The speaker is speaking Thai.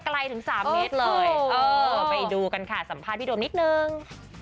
ไกลถึง๓เมตรเลยเออไปดูกันค่ะสัมภาษณ์พี่โดมนิดนึง